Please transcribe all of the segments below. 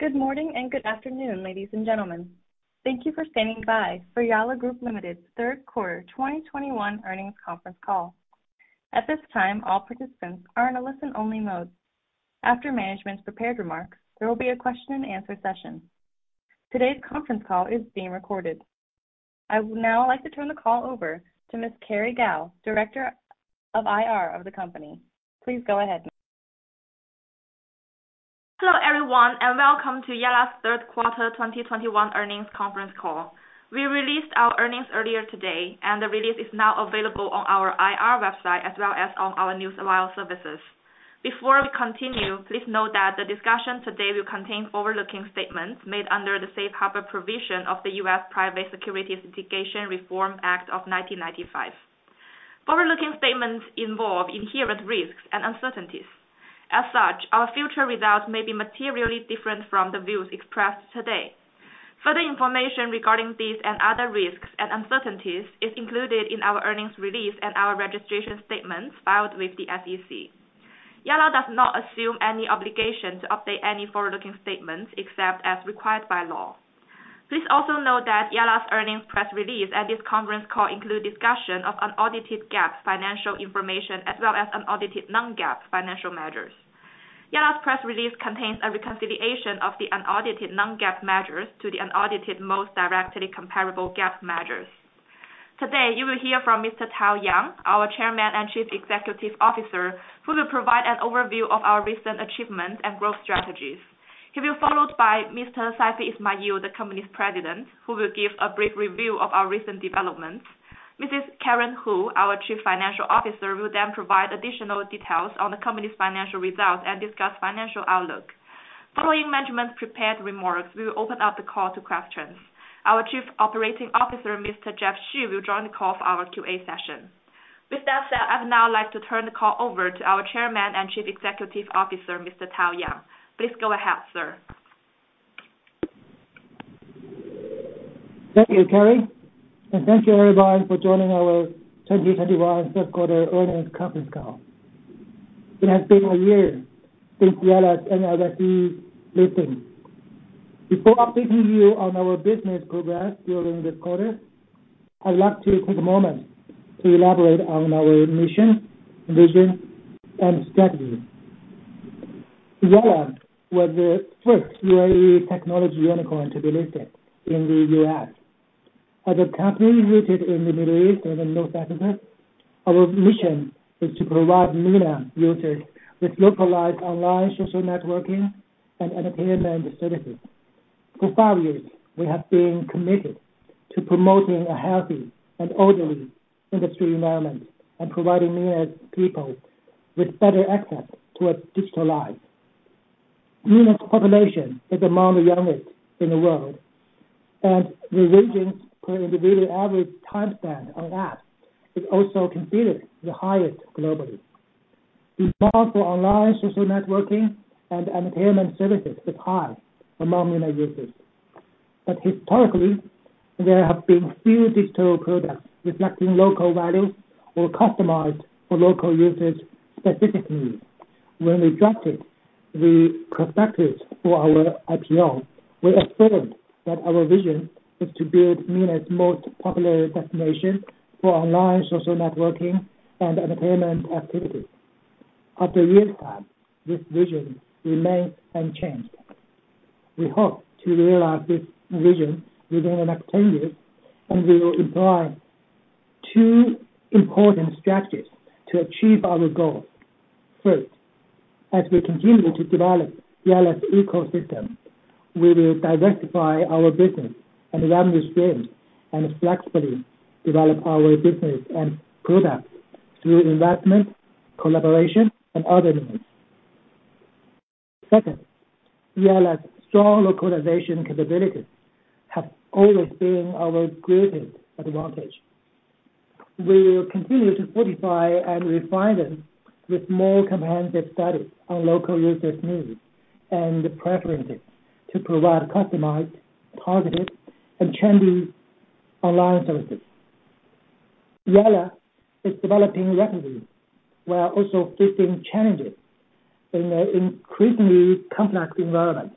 Good morning and good afternoon, ladies and gentlemen. Welcome to Yalla Group Limited's third quarter 2021 earnings conference call. After management's prepared remarks, there will be a question and answer session. I would now like to turn the call over to Ms. Kerry Gao, Director of IR of the company. Please go ahead. Hello, everyone, and welcome to Yalla's third quarter 2021 earnings conference call. We released our earnings earlier today, and the release is now available on our IR website as well as on our news wire services. Before we continue, please note that the discussion today will contain forward-looking statements made under the Safe Harbor provision of the U.S. Private Securities Litigation Reform Act of 1995. Please also note that Yalla's earnings press release and this conference call include discussion of unaudited GAAP financial information as well as unaudited non-GAAP financial measures. Yalla's press release contains a reconciliation of the unaudited non-GAAP measures to the unaudited most directly comparable GAAP measures. With that said, I'd now like to turn the call over to our Chairman and Chief Executive Officer, Mr. Tao Yang. Please go ahead, sir. Thank you, Carrie. Thank you, everyone, for joining our 2021 third quarter earnings conference call. It has been a year since Yalla's NYSE listing. Before updating you on our business progress during this quarter, I'd like to take a moment to elaborate on our mission, vision, and strategy. Demand for online social networking and entertainment services is high among MENA users. Historically, there have been few digital products reflecting local values or customized for local users' specific needs. When we drafted the prospectus for our IPO, we asserted that our vision is to build MENA's most popular destination for online social networking and entertainment activities. We will continue to fortify and refine them with more comprehensive studies on local users' needs and preferences to provide customized, targeted, and trendy online services. Yalla is developing rapidly. We are also facing challenges in an increasingly complex environment.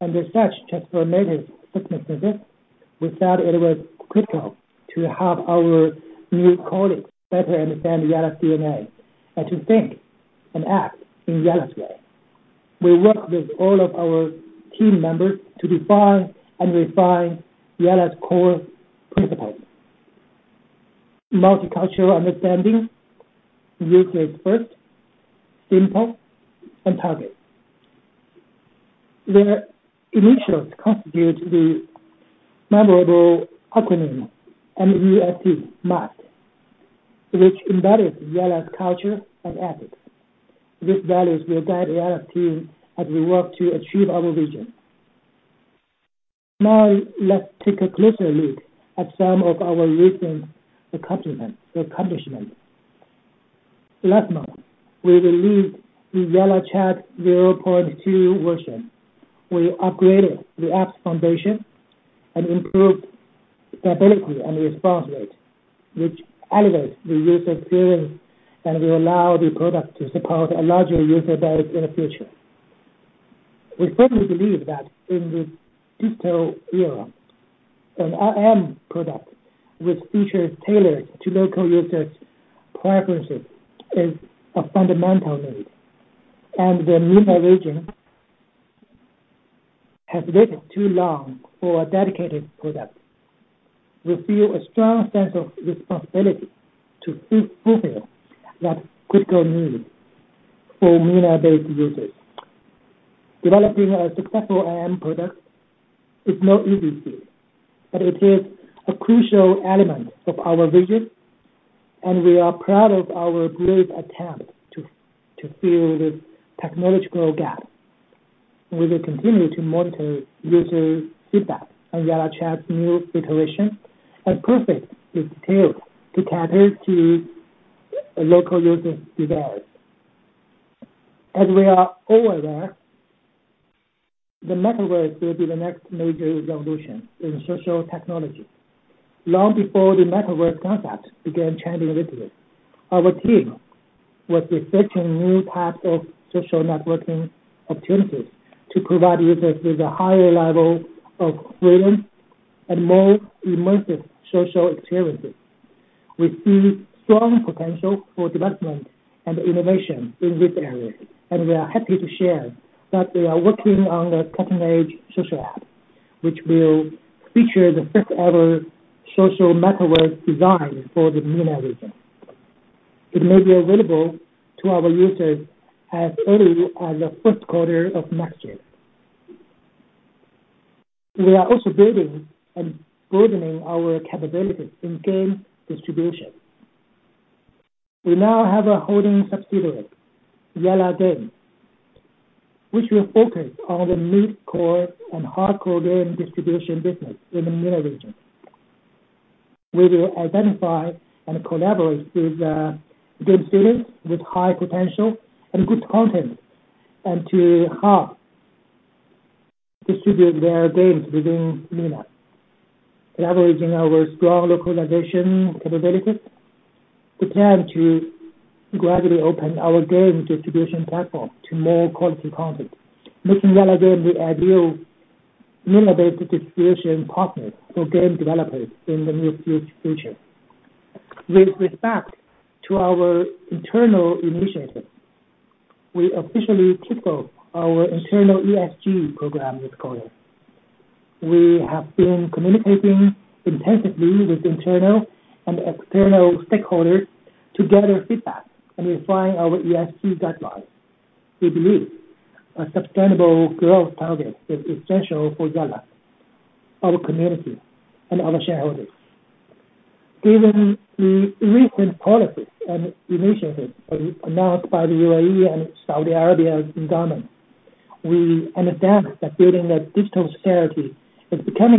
As such transformative businesses, we thought it was critical to have our new colleagues better understand Yalla's DNA and to think and act in Yalla's way. We upgraded the app's foundation and improved capability and response rate, which elevates the user experience and will allow the product to support a larger user base in the future. We firmly believe that in the digital era, an IM product with features tailored to local users' preferences is a fundamental need, and the MENA region has waited too long for a dedicated product. Long before the Metaverse concept began trending lately, our team was researching new types of social networking opportunities to provide users with a higher level of freedom and more immersive social experiences. We see strong potential for development and innovation in this area, and we are happy to share that we are working on a cutting-edge social app, which will feature the first-ever social Metaverse design for the MENA region. We plan to gradually open our game distribution platform to more quality content, making Yalla Game the ideal MENA-based distribution partner for game developers in the near future. With respect to our internal initiatives, we officially kickoff our internal ESG program this quarter.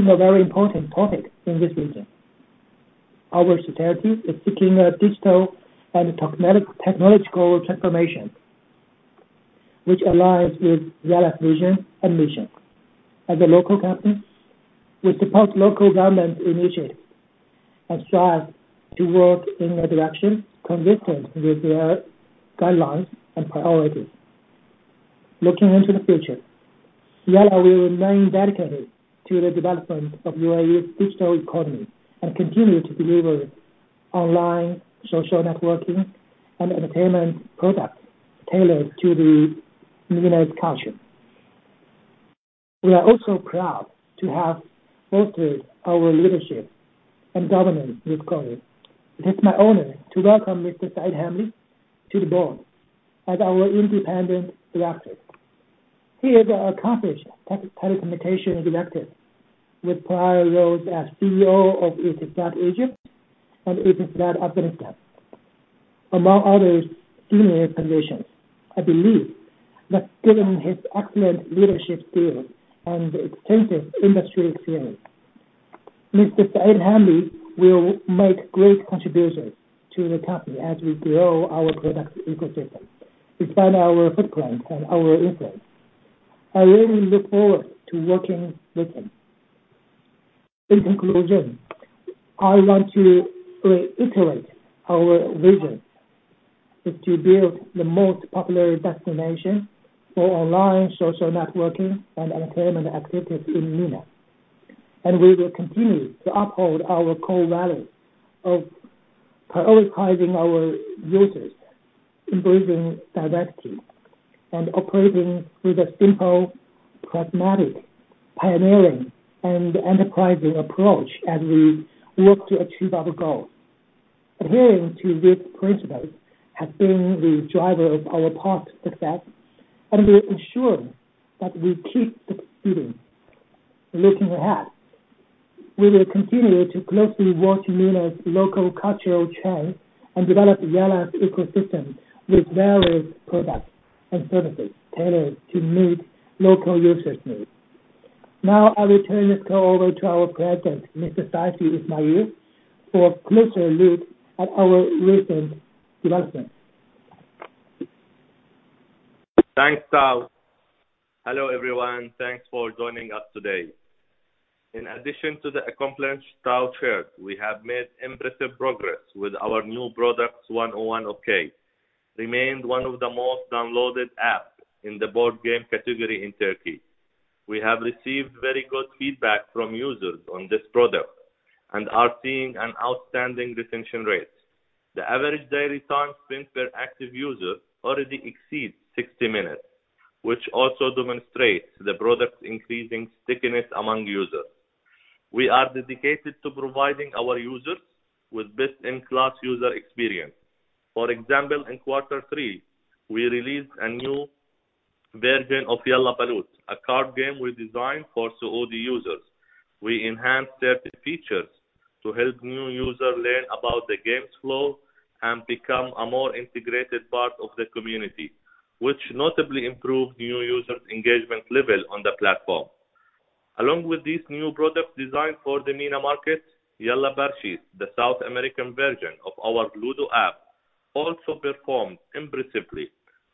Looking into the future, Yalla will remain dedicated to the development of UAE's digital economy and continue to deliver online social networking and entertainment products tailored to the MENA's culture. We are also proud to have bolstered our leadership and governance this quarter. It is my honor to welcome Mr. Saeed Al Hamli to the board as our independent director. We will continue to uphold our core values of prioritizing our users, embracing diversity, and operating with a simple, pragmatic, pioneering, and enterprising approach as we work to achieve our goals. Adhering to these principles has been the driver of our past success, and we are assured that we keep succeeding. Thanks, Tao. Hello, everyone. Thanks for joining us today. In addition to the accomplishments Tao shared, we have made impressive progress with our new products. Yalla Okey remained one of the most downloaded apps in the board game category in Turkey. We have received very good feedback from users on this product and are seeing an outstanding retention rate. Along with this new product designed for the MENA market, Yalla Parchis, the South American version of our Ludo app, also performed impressively.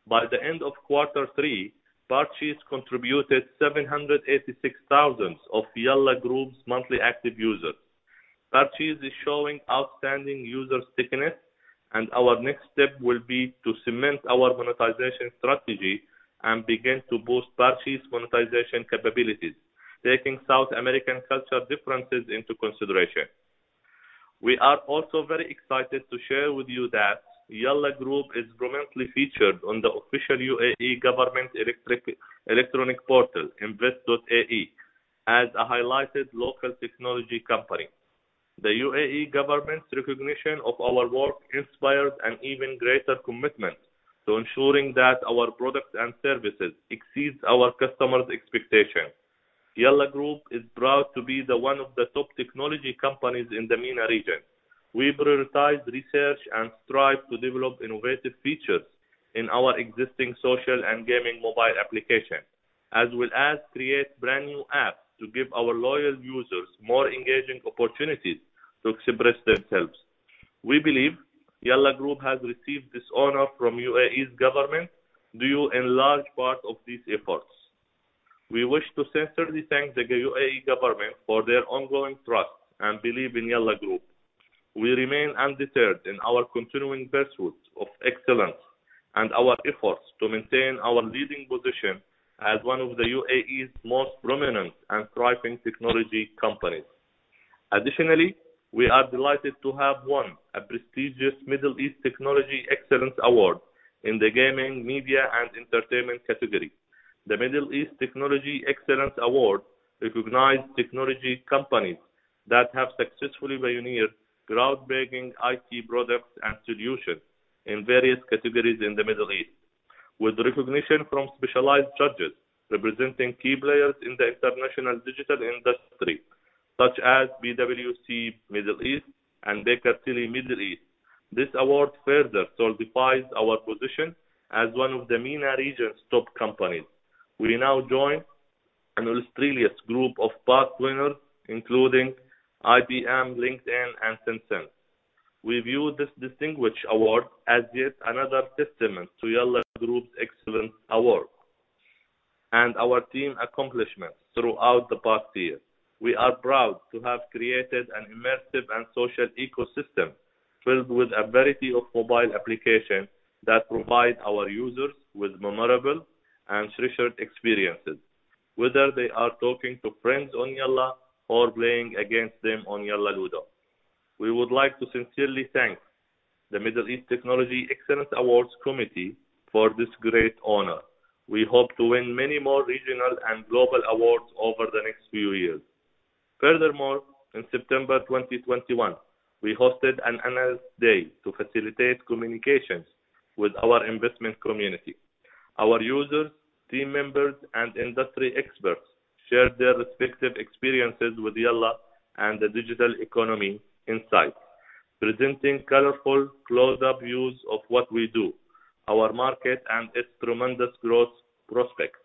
By the end of quarter three, Parchis contributed 786,000 of Yalla Group's monthly active users. Parchis is showing outstanding user stickiness, and our next step will be to cement our monetization strategy and begin to boost Parchis monetization capabilities, taking South American cultural differences into consideration. We prioritize research and strive to develop innovative features in our existing social and gaming mobile application, as well as create brand new apps to give our loyal users more engaging opportunities to express themselves. We believe Yalla Group has received this honor from UAE's government due in large part to these efforts. With recognition from specialized judges representing key players in the international digital industry, such as PwC Middle East and Deloitte Middle East. This award further solidifies our position as one of the MENA region's top companies. We now join an illustrious group of past winners, including IBM, LinkedIn, and Tencent. Furthermore, in September 2021, we hosted an analyst day to facilitate communications with our investment community. Our users, team members, and industry experts shared their respective experiences with Yalla and the digital economy insights, presenting colorful close-up views of what we do, our market, and its tremendous growth prospects.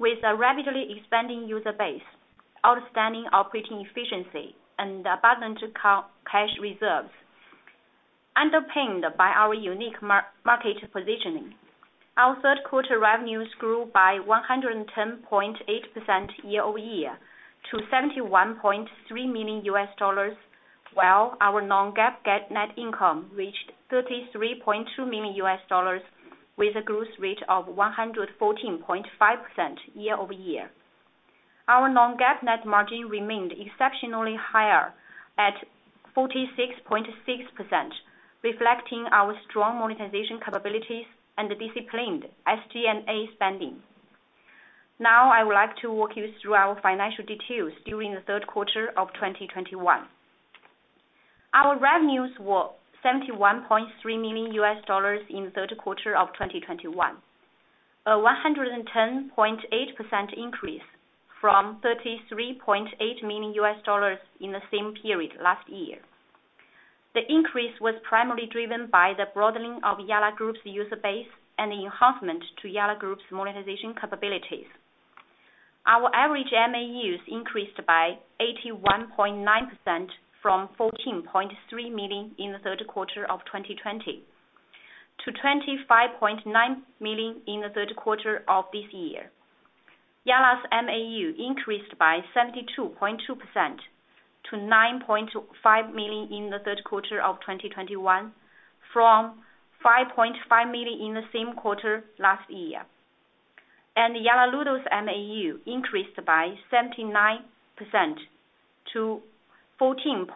Our third quarter revenues grew by 110.8% year-over-year to $71.3 million, while our non-GAAP net income reached $33.2 million with a growth rate of 114.5% year-over-year. Our non-GAAP net margin remained exceptionally higher at 46.6%, reflecting our strong monetization capabilities and the disciplined SG&A spending. A 110.8% increase from $33.8 million in the same period last year. The increase was primarily driven by the broadening of Yalla Group's user base and the enhancement to Yalla Group's monetization capabilities. Our average MAUs increased by 81.9% from 14.3 million in the third quarter of 2020 to 25.9 million in the third quarter of this year. Yalla Parchis's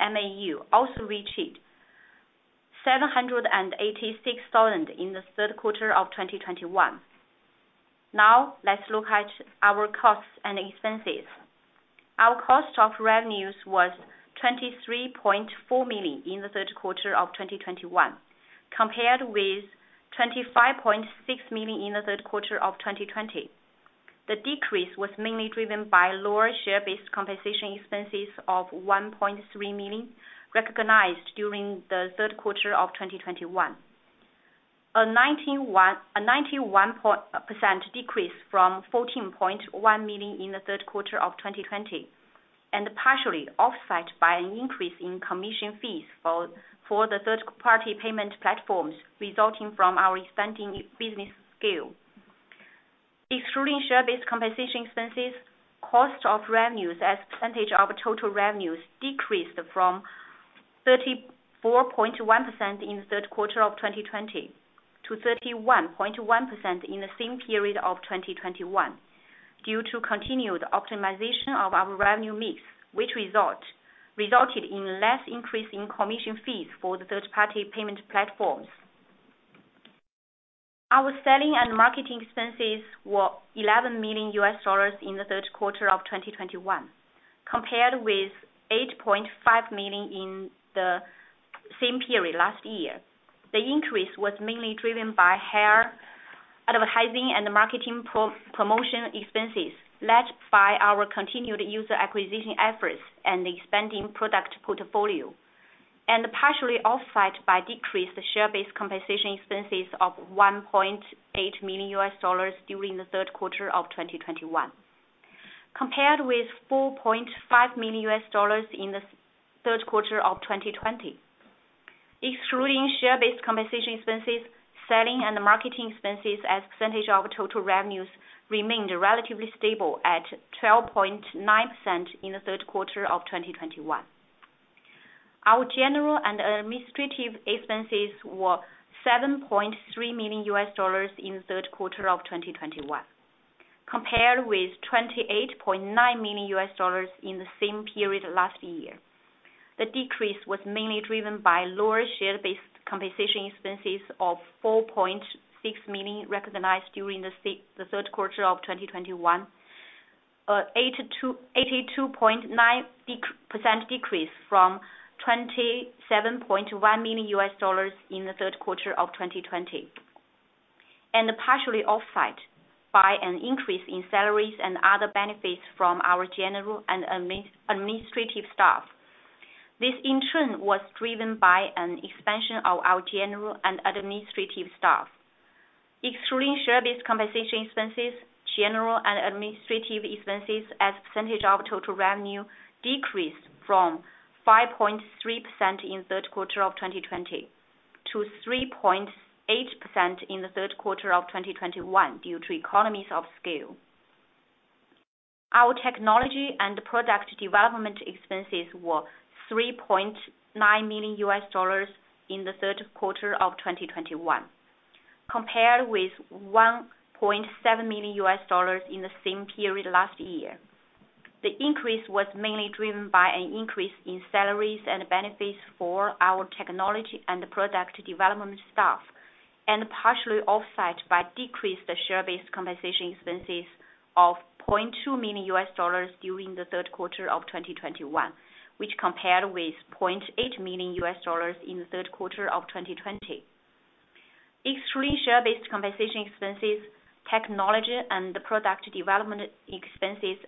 MAU also reached 786,000 in the third quarter of 2021. Now let's look at our costs and expenses. Our cost of revenues was $23.4 million in the third quarter of 2021, compared with $25.6 million in the third quarter of 2020. Excluding share-based compensation expenses, cost of revenues as a percentage of total revenues decreased from 34.1% in the third quarter of 2020 to 31.1% in the same period of 2021 due to continued optimization of our revenue mix, which resulted in less increase in commission fees for the third-party payment platforms. This compared with $4.5 million in the third quarter of 2020. Excluding share-based compensation expenses, selling and marketing expenses as a percentage of total revenues remained relatively stable at 12.9% in the third quarter of 2021. This in turn was driven by an expansion of our general and administrative staff. Excluding share-based compensation expenses, general and administrative expenses as a percentage of total revenue decreased from 5.3% in the third quarter of 2020 to 3.8% in the third quarter of 2021 due to economies of scale. Excluding share-based compensation expenses, technology and product development expenses as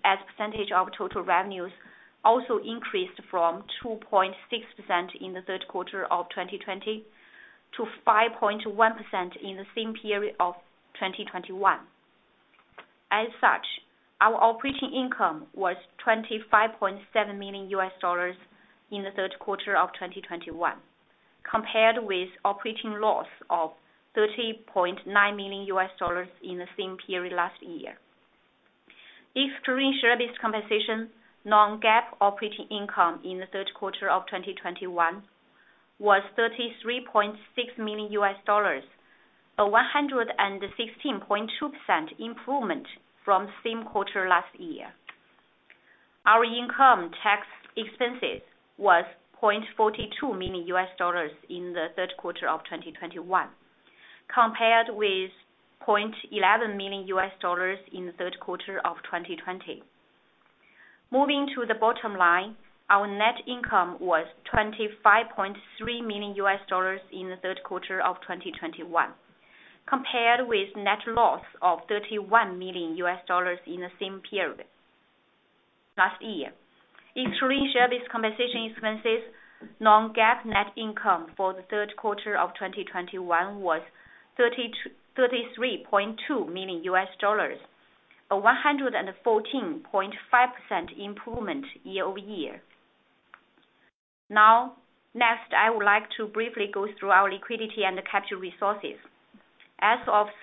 a percentage of total revenues also increased from 2.6% in the third quarter of 2020 to 5.1% in the same period of 2021. Moving to the bottom line, our net income was $25.3 million in the third quarter of 2021, compared with a net loss of $31 million in the same period last year. Excluding share-based compensation expenses, non-GAAP net income for the third quarter of 2021 was $33.2 million, a 114.5% improvement year-over-year.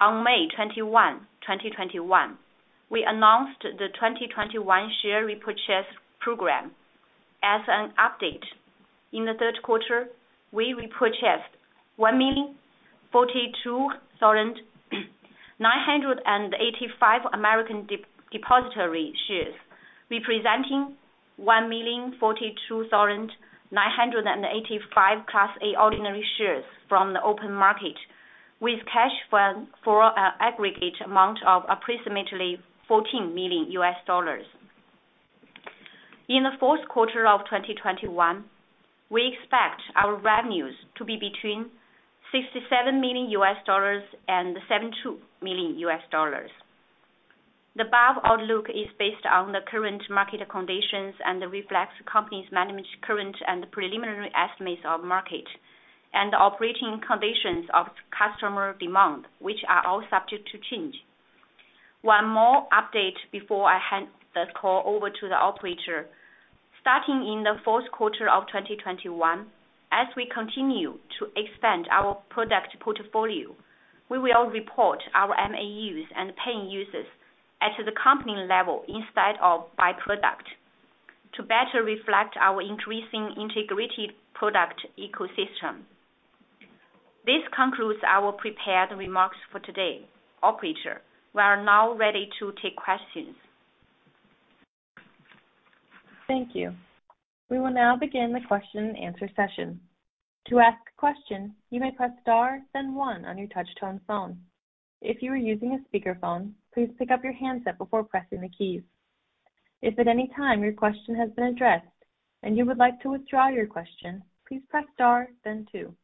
On May 21, 2021, we announced the 2021 share repurchase program. As an update, in the third quarter, we repurchased 1,042,985 American Depositary Shares, representing 1,042,985 Class A ordinary shares from the open market with cash for an aggregate amount of approximately $14 million. Starting in the fourth quarter of 2021, as we continue to expand our product portfolio, we will report our MAUs and paying users at the company level instead of by product to better reflect our increasing integrated product ecosystem. This concludes our prepared remarks for today. Operator, we are now ready to take questions. Thank you. We will now begin the question and answer session. To ask a question, you may press star then one on your touchtone phone. If you are using a speakerphone, please pick up your handset before pressing the keys. If at any time your question has been addressed and you would like to withdraw your question, please press star then two.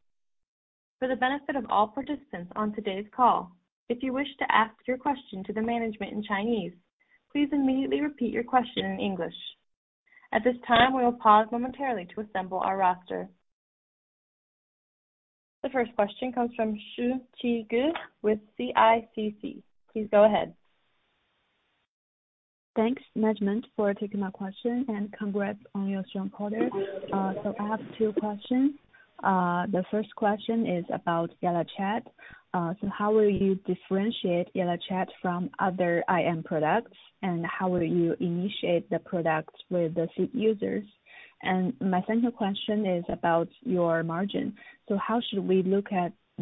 Thanks, management, for taking my question and congrats on your strong quarter. I have two questions. The first question is about YallaChat. How will you differentiate YallaChat from other IM products, and how will you initiate the product with the seed users?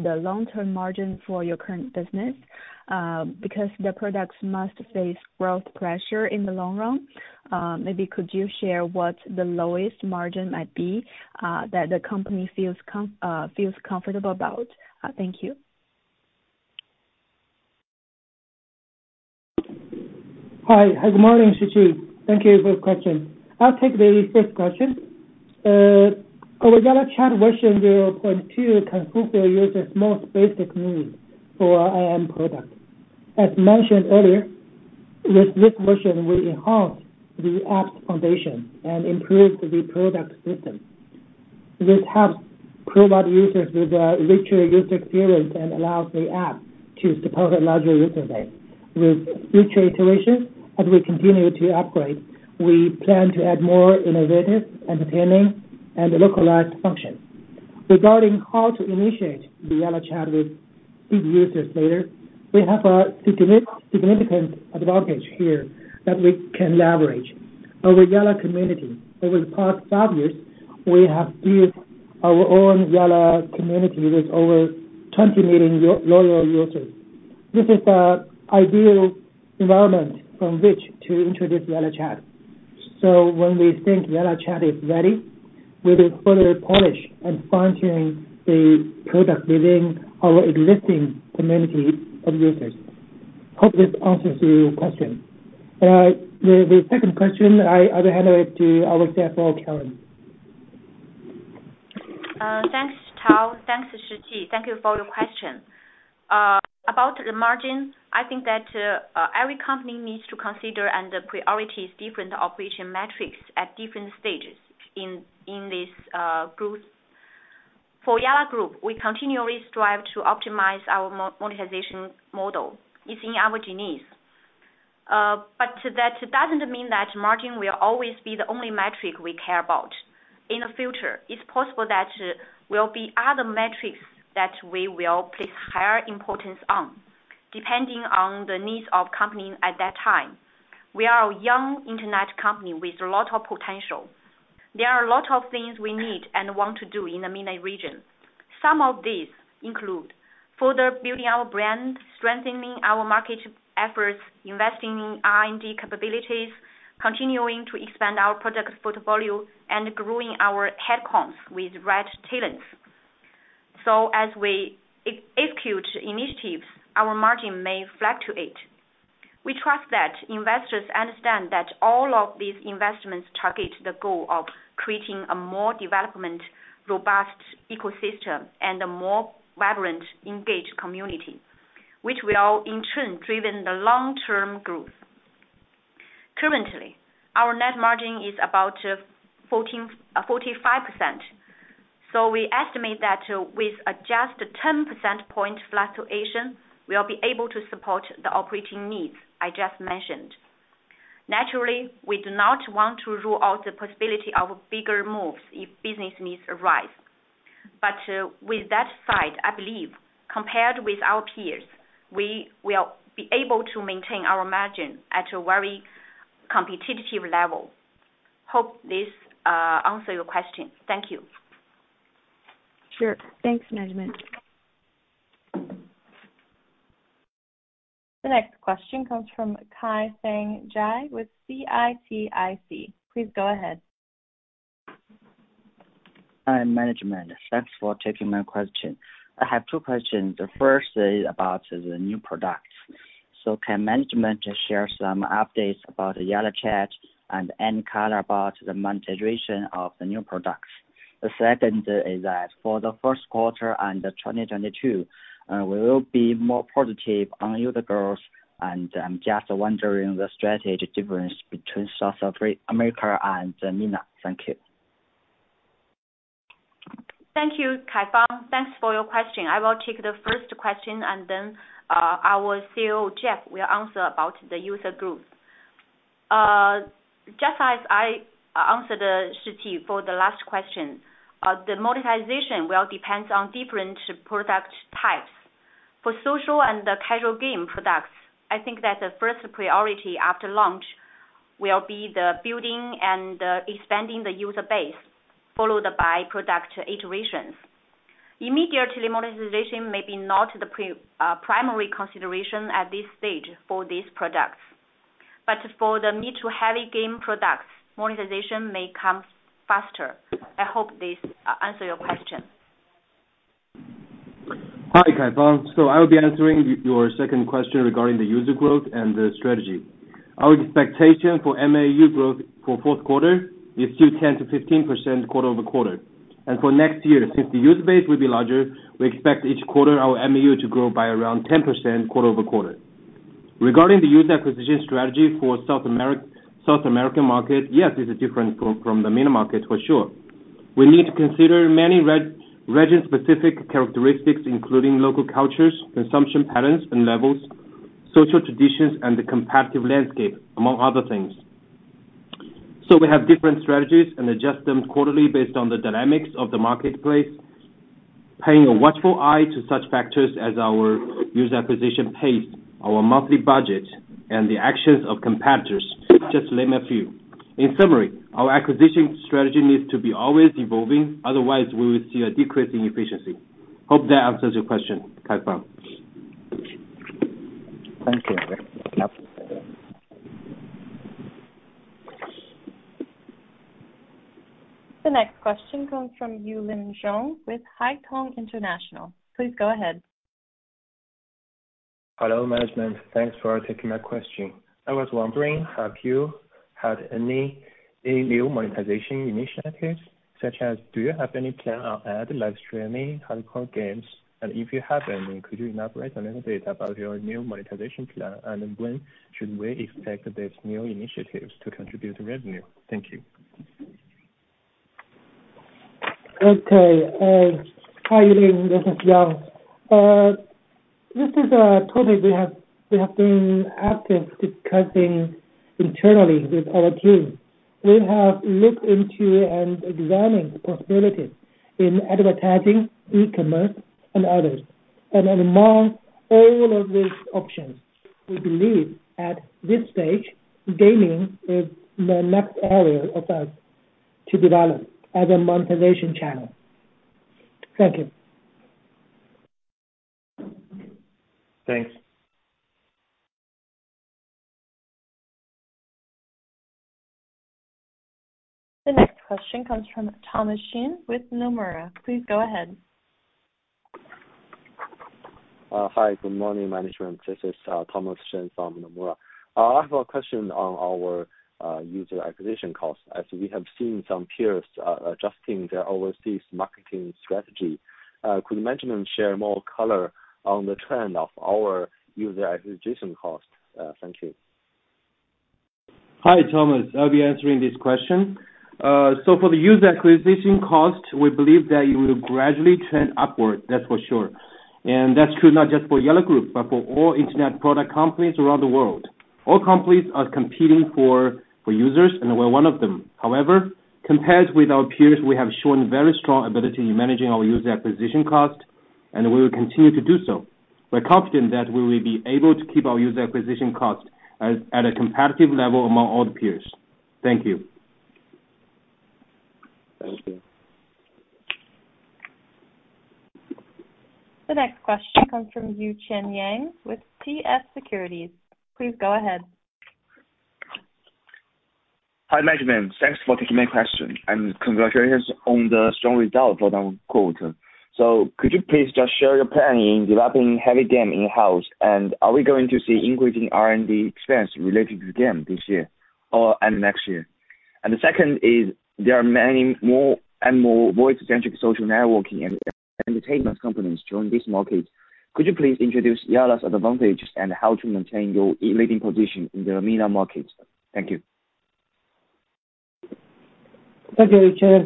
Hi. Good morning, Shiqi Ge. Thank you for the question. I'll take the first question. Our YallaChat version 0.2 can fulfill users' most basic needs for an IM product. As mentioned earlier, with this version, we enhance the app's foundation and improve the product system. When we think YallaChat is ready, we will further polish and sponsoring the product within our existing community of users. Hope this answers your question. The second question, I will hand over to our CFO, Karen. There are a lot of things we need and want to do in the MENA region. Some of these include further building our brand, strengthening our market efforts, investing in R&D capabilities, continuing to expand our product portfolio, and growing our headcounts with right talents. With that said, I believe compared with our peers, we will be able to maintain our margin at a very competitive level. Hope this answers your question. Thank you. Sure. Thanks, management. The next question comes from Kaifang Jia with CITIC. Please go ahead. Hi, management. Thanks for taking my question. I have two questions. The first is about the new products. Can management share some updates about YallaChat and any color about the monetization of the new products? Thank you, Kaifang. Thanks for your question. I will take the first question and then our CEO, Jeff, will answer about the user growth. Just as I answered Shiqi for the last question, the monetization will depend on different product types. Hi, Kaifang Jia. I'll be answering your second question regarding the user growth and the strategy. Our expectation for MAU growth for fourth quarter is still 10%-15% quarter-over-quarter. For next year, since the user base will be larger, we expect each quarter our MAU to grow by around 10% quarter-over-quarter. In summary, our acquisition strategy needs to be always evolving; otherwise, we will see a decrease in efficiency. Hope that answers your question, Kaifang. Thank you. The next question comes from Yulin Zhong with Haitong International. Please go ahead. Hello, management. Thanks for taking my question. I was wondering, have you had any new monetization initiatives, such as do you have any plan on ad, live streaming, hardcore games? Okay, hi Yulin, this is Yang. This is a topic we have been actively discussing internally with our team. We have looked into and examined possibilities in advertising, e-commerce, and others. Among all of these options, we believe at this stage, gaming is the next area for us to develop as a monetization channel. Thank you. Thanks. The next question comes from Thomas Chong with Nomura. Please go ahead. Hi, good morning, management. This is Thomas Chong from Nomura. I have a question on our user acquisition costs. As we have seen some peers adjusting their overseas marketing strategy, could management share more color on the trend of our user acquisition cost? Thank you. Hi, Thomas. I'll be answering this question. So for the user acquisition cost, we believe that it will gradually trend upward; that's for sure. That's true not just for Yalla Group, but for all internet product companies around the world. Thank you. The next question comes from Yuchen Yang with TF Securities. Please go ahead. Hi, management. Thanks for taking my question, and congratulations on the strong result for that quarter. Could you please just share your plan in developing heavy games in-house? Are we going to see increasing R&D expense related to the game this year or/and next year? Thank you, Chen.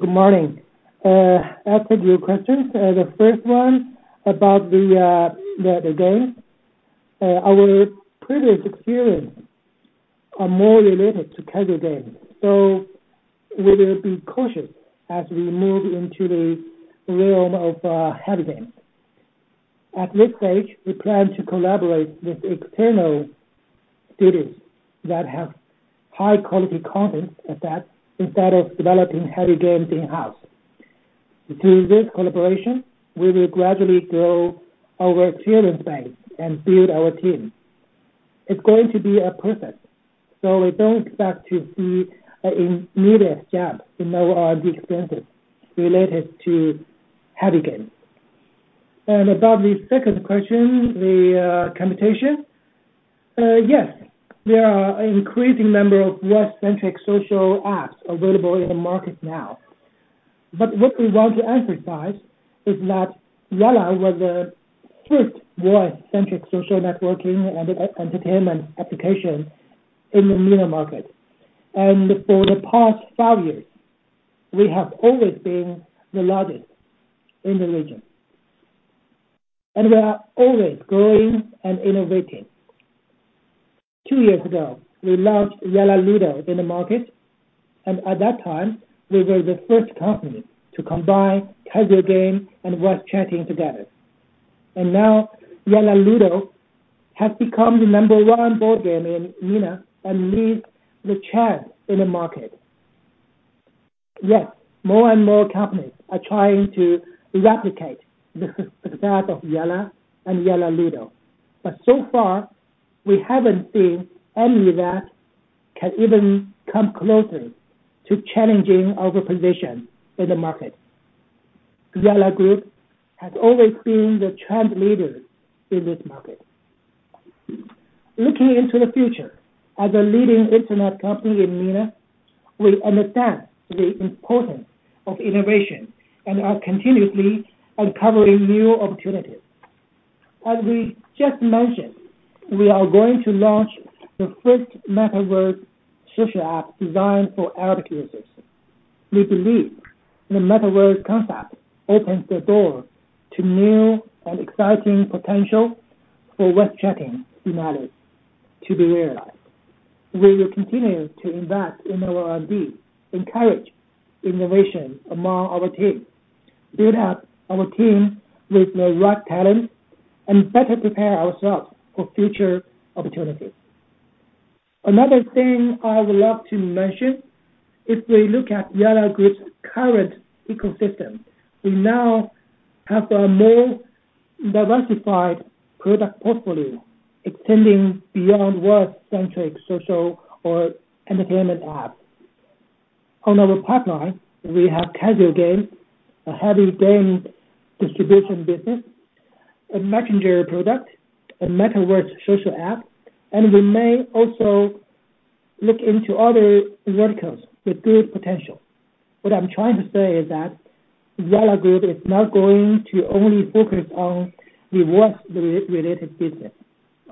Good morning. As for your questions, the first one about the game. Our previous experience is more related to casual games, so we will be cautious as we move into the realm of heavy games. For the past five years, we have always been the largest in the region. We are always growing and innovating. Two years ago, we launched Yalla Ludo in the market, and at that time, we were the first company to combine casual game and voice chatting together. As we just mentioned, we are going to launch the first Metaverse social app designed for Arab users. We believe the Metaverse concept opens the door to new and exciting potential for voice chatting in MENA to be realized.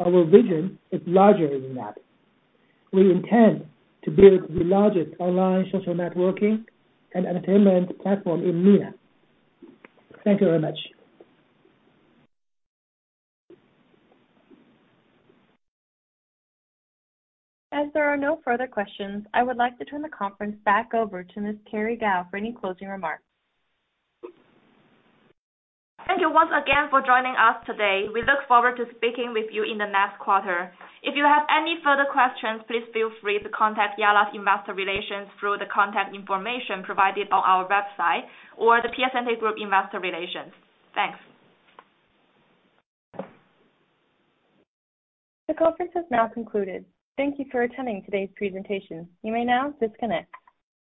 Our vision is larger than that. We intend to build the largest online social networking and entertainment platform in MENA. Thank you very much. As there are no further questions, I would like to turn the conference back over to Ms. Kerry Gao for any closing remarks. Thank you once again for joining us today. We look forward to speaking with you in the next quarter. If you have any further questions, please feel free to contact Yalla's investor relations through the contact information provided on our website or The Piacente Group Investor Relations. Thanks. The conference has now concluded. Thank you for attending today's presentation. You may now disconnect.